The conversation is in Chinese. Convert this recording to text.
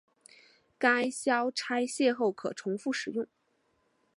该销拆卸后可重复使用。